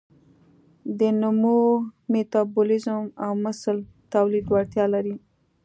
د نمو، میتابولیزم او مثل تولید وړتیاوې لري.